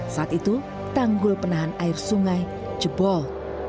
saat itu tanggul penahan air sungai jebol